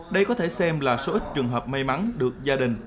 đây có thể xem là số ít trường hợp may mắn được gia đình